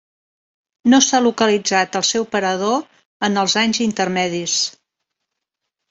No s'ha localitzat el seu parador en els anys intermedis.